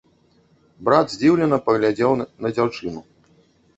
Брат здзіўлена паглядзеў на дзяўчыну.